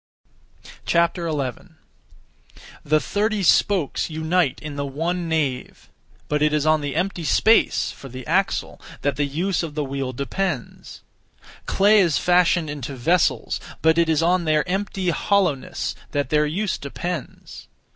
11. The thirty spokes unite in the one nave; but it is on the empty space (for the axle), that the use of the wheel depends. Clay is fashioned into vessels; but it is on their empty hollowness, that their use depends.